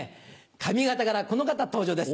上方からこの方登場です